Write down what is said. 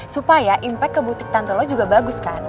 supaya impact ke butik tante lo juga bagus kan